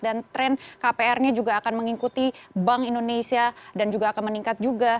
dan tren kpr ini juga akan mengikuti bank indonesia dan juga akan meningkat juga